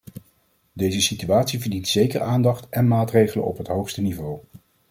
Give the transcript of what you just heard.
Deze situatie verdient zeker aandacht en maatregelen op het hoogste niveau.